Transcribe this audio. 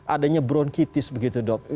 adanya bronkitis begitu dok